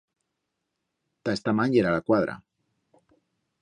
Ta esta man yera la cuadra.